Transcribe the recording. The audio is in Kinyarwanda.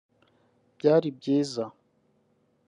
Byari byiza